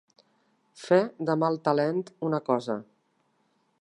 Fer de mal talent una cosa.